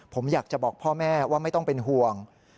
ผมอยากจะบอกพ่อแม่ว่าไม่ต้องเป็นห่วง